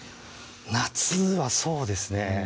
夏はそうですね